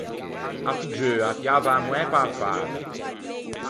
A figgeua a tiava a moæ pe-a fada.